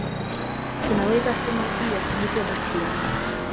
Tunaweza sema pia nipe baki yangu